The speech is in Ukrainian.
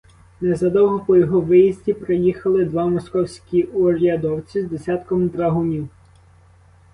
Незадовго по його виїзді приїхали два московські урядовці з десятком драгунів.